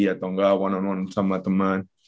atau enggak one on one sama teman